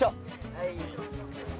はい。